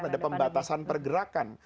ada pembatasan pergerakan